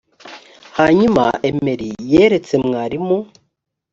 hanyuma emily yeretse mwarimu